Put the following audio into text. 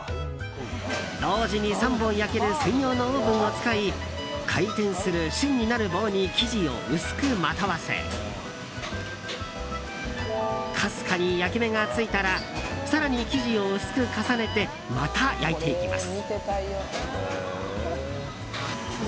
同時に３本焼ける専用のオーブンを使い回転する芯になる棒に生地を薄くまとわせかすかに焼き目がついたら更に生地を薄く重ねてまた焼いていきます。